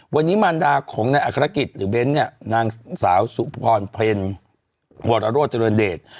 วันนี้มารดาของในอักษรกิจหรือเบนเนี่ยนางสาวสุภรณ์เพลินวัตโรจรณเดชน์